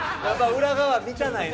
裏側見たないな。